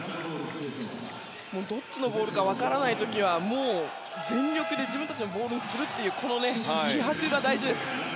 どっちのボールか分からない時は全力で自分たちのボールにするという気迫が大事です。